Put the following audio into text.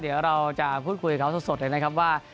เดี๋ยวเราจะพูดคุยกับเขาสดเลยนะครับว่า